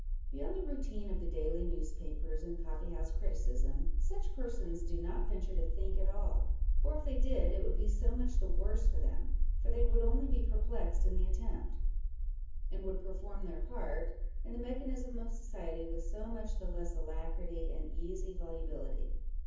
Beyond the routine of the daily newspapers and coffee house criticism, such persons do not venture to think at all : or if they did, it would be so much the worse for them, for they would only be perplexed in the attempt, and would perform their part in the mechanism of society with so much the less alacrity and easy volubility.